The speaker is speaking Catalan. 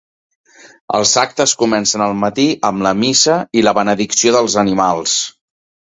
Els actes comencen al matí amb la missa i la benedicció dels animals.